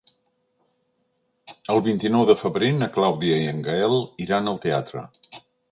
El vint-i-nou de febrer na Clàudia i en Gaël iran al teatre.